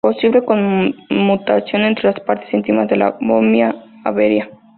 Posible conmutación entre las partes internas de la bobina, avería.